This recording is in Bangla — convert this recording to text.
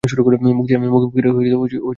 মুক্তিয়ার মুখ ফিরাইয়া সরিয়া গেল।